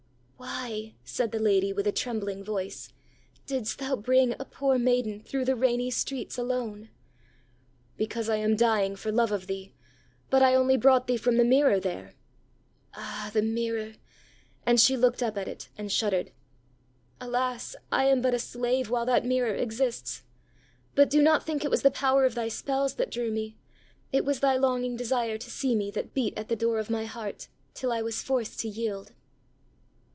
ãWhy,ã said the lady, with a trembling voice, ãdidst thou bring a poor maiden through the rainy streets alone?ã ãBecause I am dying for love of thee; but I only brought thee from the mirror there.ã ãAh, the mirror!ã and she looked up at it, and shuddered. ãAlas! I am but a slave, while that mirror exists. But do not think it was the power of thy spells that drew me; it was thy longing desire to see me, that beat at the door of my heart, till I was forced to yield.